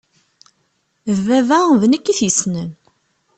D baba d nekk i t-yessnen.